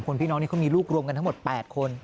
๓คนพี่น้องมีลูกรวมกันทั้งหมด๘คน